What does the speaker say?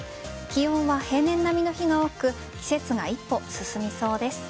気温は平年並みの日が多く季節が一歩進みそうです。